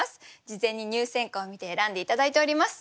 事前に入選歌を見て選んで頂いております。